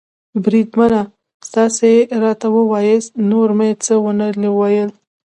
بریدمنه، تاسې راته ووایاست، نور مې څه و نه ویل.